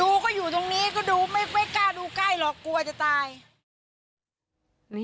ดูก็อยู่ตรงนี้ก็ดูไม่กล้าดูใกล้หรอกกลัวจะตาย